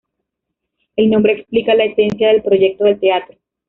El nombre explica la esencia del proyecto del teatro.